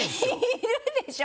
いるでしょ！